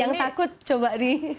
yang takut coba di